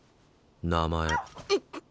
名前。